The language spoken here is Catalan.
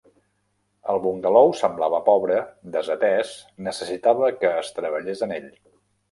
El bungalou semblava pobre, desatès, necessitava que es treballés en ell.